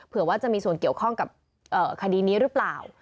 ว่าจะมีส่วนเกี่ยวข้องกับคดีนี้หรือเปล่า